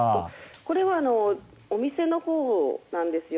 これはお店のほうなんですよ。